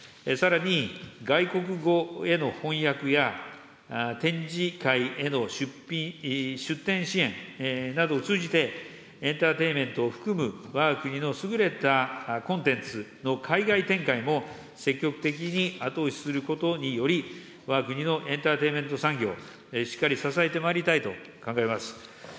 さらに、外国語への翻訳や、展示会への出品、出展支援などを通じて、エンターテイメントを含むわが国の優れたコンテンツの海外展開も、積極的に後押しすることにより、わが国のエンターテイメント産業、しっかり支えてまいりたいと考えます。